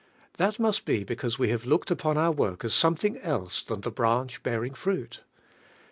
That must be because we have looked upon nur work as something else than the branch bearing fruit.